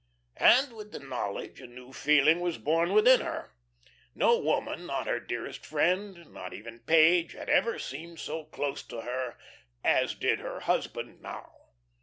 And with the knowledge a new feeling was born within her. No woman, not her dearest friend; not even Page had ever seemed so close to her as did her husband now.